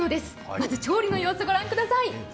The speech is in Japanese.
まず調理の様子御覧ください。